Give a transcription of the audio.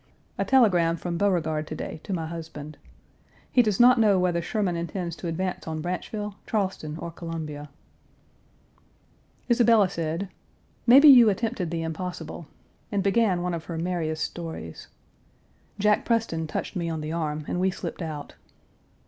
A telegram from Beauregard to day to my husband. He does not know whether Sherman intends to advance on Branchville, Charleston, or Columbia. Page 343 Isabella said: "Maybe you attempted the impossible," and began one of her merriest stories. Jack Preston touched me on the arm and we slipped out.